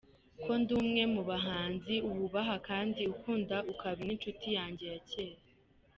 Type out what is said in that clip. ko ndi umwe mubahanzi wubaha kandi ukunda ukaba ninshuti yanjye yakera .